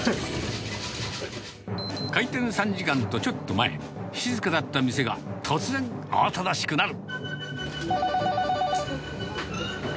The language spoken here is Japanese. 開店３時間とちょっと前、静かだった店が、突然、慌ただしくなる。